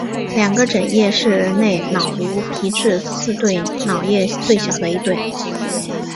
两个枕叶是人类脑颅皮质四对脑叶最小的一对。